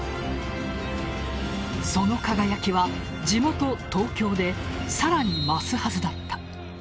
その輝きは地元・東京で更に増すはずだった。